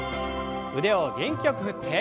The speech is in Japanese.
腕を元気よく振って。